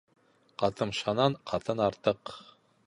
Ҡатымшанан ҡатын артыҡ.